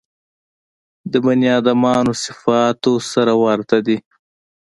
د بني ادمانو صفاتو سره ورته دي.